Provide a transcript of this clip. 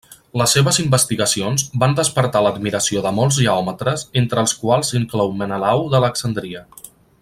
Les seves investigacions van despertar l'admiració de molts geòmetres entre els quals s'inclou Menelau d'Alexandria.